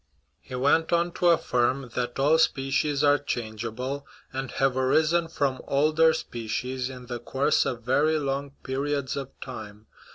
He went on to affirm that all species are changeable, and have arisen from older species in the course of very long periods of time.